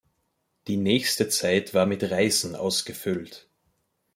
Die nächste Zeit war mit Reisen ausgefüllt.